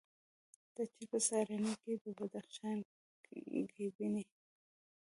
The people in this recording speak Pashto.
دا چې په سهارنۍ کې یې د بدخشان ګبیني،